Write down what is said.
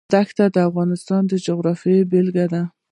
دښتې د افغانستان د جغرافیې بېلګه ده.